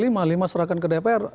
lima diserahkan ke dpr